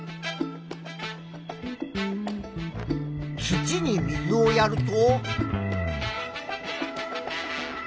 土に水をやると。